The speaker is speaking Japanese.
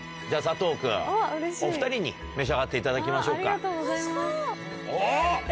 お２人に召し上がっていただきましょうか。